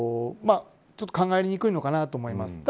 ちょっと考えにくいのかなと思います。